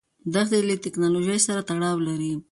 دښتې له تکنالوژۍ سره تړاو لري.